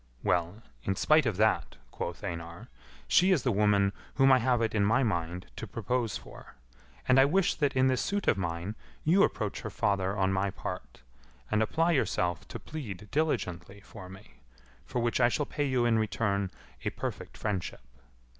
"Well, in spite of that," quoth Einar, "she is the woman whom I have it in my mind to propose for, and I wish that in this suit of mine you approach her father on my part, and apply yourself to plead diligently[A] for me, for which I shall pay you in return a perfect friendship.